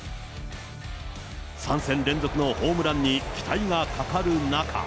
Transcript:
３戦連続のホームランに期待がかかる中。